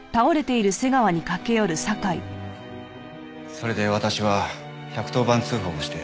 それで私は１１０番通報をして。